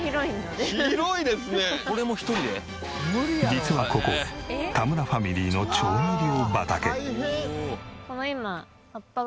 実はここ田村ファミリーの調味料畑。